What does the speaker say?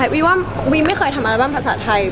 อาร์บั้มภาษาไทยวีไม่เคยทำอาร์บั้มภาษาไทย